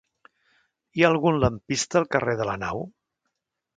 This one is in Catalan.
Hi ha algun lampista al carrer de la Nau?